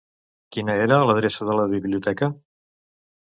Quina era l'adreça de la biblioteca?